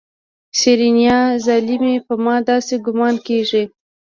سېرېنا ظالمې په ما داسې ګومان کېږي.